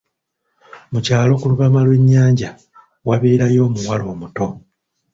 Mu kyalo ku lubalama Iwe'nyanja, waabeerayo omuwala omuto.